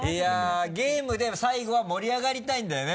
ゲームで最後は盛り上がりたいんだよね？